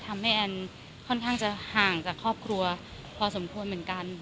แอนค่อนข้างจะห่างจากครอบครัวพอสมควรเหมือนกัน